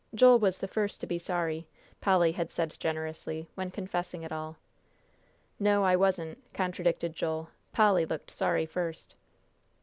"Joel was the first to be sorry," Polly had said generously, when confessing it all. "No, I wasn't," contradicted Joel, "Polly looked sorry first."